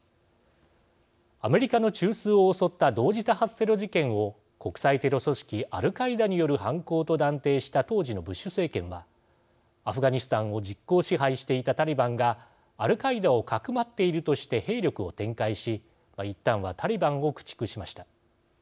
アメリカの中枢を襲った同時多発テロ事件を国際テロ組織アルカイダによる犯行と断定した当時のブッシュ政権はアフガニスタンを実効支配していたタリバンがアルカイダをかくまっているとして兵力を展開し、いったんはタリバンを駆逐しました。